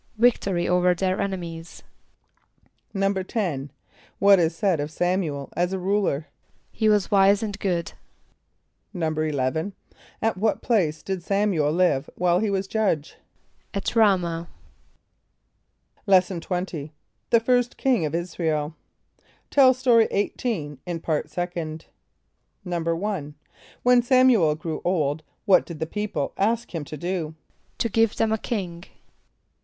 =Victory over their enemies.= =10.= What is said of S[)a]m´u el as a ruler? =He was wise and good.= =11.= At what place did S[)a]m´u el live while he was judge? =At R[=a]'mah.= Lesson XX. The First King of Israel. (Tell Story 18 in Part Second.) =1.= When S[)a]m´u el grew old, what did the people ask him to do? =To give them a king.